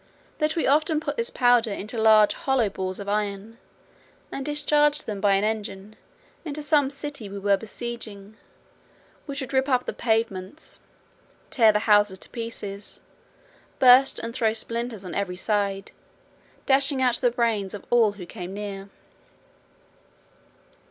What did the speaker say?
That we often put this powder into large hollow balls of iron, and discharged them by an engine into some city we were besieging, which would rip up the pavements, tear the houses to pieces, burst and throw splinters on every side, dashing out the brains of all who came near.